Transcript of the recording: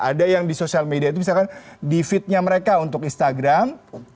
ada yang di sosial media itu misalkan di feednya mereka untuk instagram